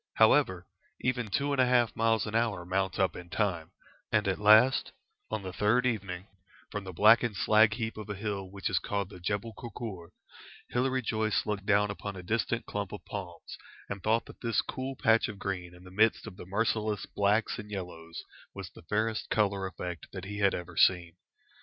However, even two and a half miles an hour mount up in time, and at last, on the third evening, from the blackened slag heap of a hill which is called the Jebel Kurkur, Hilary Joyce looked down upon a distant clump of palms, and thought that this cool patch of green in the midst of the merciless blacks and yellows was the fairest colour effect that he had ever seen.